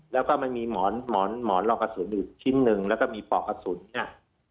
แล้วก็มันมีหมอนหมอนรองกระสุนอีกชิ้นหนึ่งแล้วก็มีปอกกระสุนเนี่ย